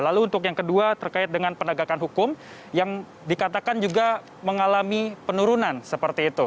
lalu untuk yang kedua terkait dengan penegakan hukum yang dikatakan juga mengalami penurunan seperti itu